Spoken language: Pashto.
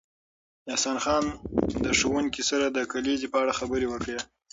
احسان خان د ښوونکي سره د کلیزې په اړه خبرې وکړې